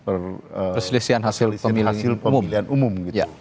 perselisihan hasil pemilihan umum